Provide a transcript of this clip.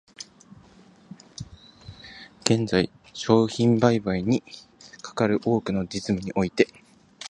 現在、商品売買にかかる多くの実務において、